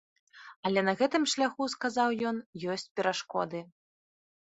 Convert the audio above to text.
Але на гэтым шляху, сказаў ён, ёсць перашкоды.